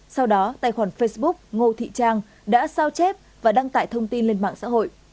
sau đó tài khoản facebook ngô thị trang đã sao chép và đăng tải thông tin lên mạng xã hội